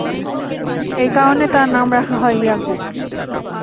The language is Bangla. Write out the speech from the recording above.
এই কারণে তার নাম রাখা হয় ইয়াকূব।